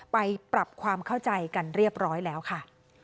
ไปปรับความเข้าใจกันเรียบร้อยแล้วค่ะ